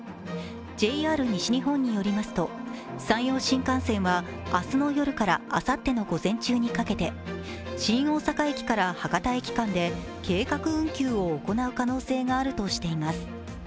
ＪＲ西日本によりますと山陽新幹線は明日の夜からあさっての午前中にかけて新大阪駅から博多駅間で計画運休を行う可能性があるとしています。